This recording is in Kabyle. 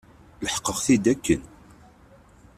Leḥqeɣ-t-id akken.